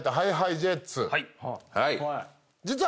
実は。